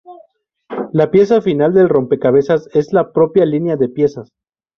La pieza final del rompecabezas es la propia línea de piezas.